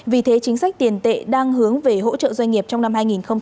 vì thế chính sách tiền tệ đang hướng về hỗ trợ doanh nghiệp trong năm hai nghìn hai mươi